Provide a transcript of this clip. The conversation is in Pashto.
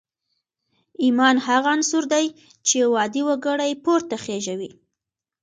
ایمان هغه عنصر دی چې یو عادي وګړی پورته خېژوي